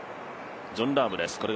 ジョン・ラームです。